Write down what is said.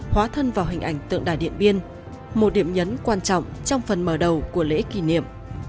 hóa thân vào hình ảnh tượng đài điện biên một điểm nhấn quan trọng trong phần mở đầu của lễ kỷ niệm